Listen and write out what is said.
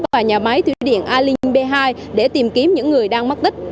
và nhà máy thủy điện alin b hai để tìm kiếm những người đang mất tích